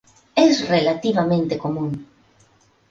Es relativamente común.